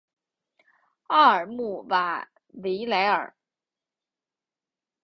奥尔穆瓦维莱尔。